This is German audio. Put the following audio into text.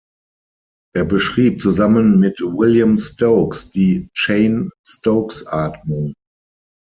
Er beschrieb zusammen mit William Stokes die Cheyne-Stokes-Atmung.